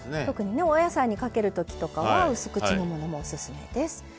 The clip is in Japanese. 特にねお野菜にかける時とかはうす口のものもおすすめです。